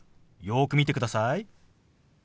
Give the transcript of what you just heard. よく見てください。